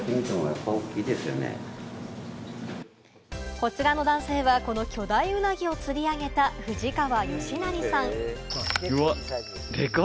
こちらの男性はこの巨大ウナギを釣り上げた、藤川佳成さん。